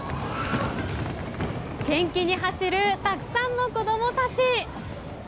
元気に走るたくさんの子どもたち。